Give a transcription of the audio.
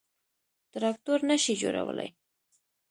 _تراکتور نه شي جوړولای.